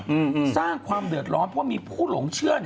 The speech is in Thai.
อืมสร้างความเดือดร้อนเพราะมีผู้หลงเชื่อ